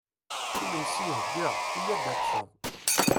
Iminsi ihegga, iyya ad teččeḍ!